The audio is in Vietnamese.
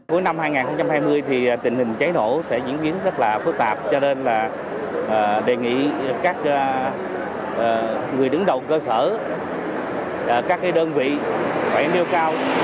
cuối năm hai nghìn hai mươi thì tình hình cháy nổ sẽ diễn biến rất là phức tạp cho nên là đề nghị các người đứng đầu cơ sở các đơn vị phải nêu cao